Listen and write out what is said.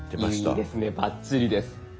いいですねバッチリです。